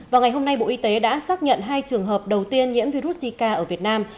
vào ngày hôm nay bộ y tế đã xác nhận hai trường hợp đầu tiên nhiễm virus zika ở việt nam